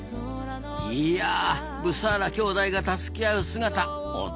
いやブサーラ兄弟が助け合う姿驚きました！